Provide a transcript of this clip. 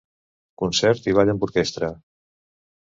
Concert i ball amb orquestra.